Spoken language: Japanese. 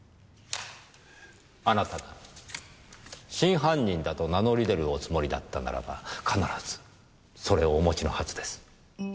あなたが真犯人だと名乗り出るおつもりだったならば必ずそれをお持ちのはずです。